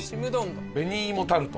紅芋タルト。